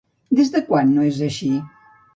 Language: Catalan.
Des de quan no és així?